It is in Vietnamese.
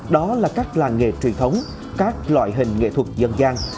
đó là các làng nghề truyền thống các loại hình nghệ thuật dân gian